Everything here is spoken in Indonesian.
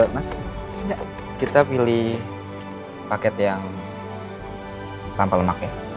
mas gak kita pilih paket yang tanpa lemak ya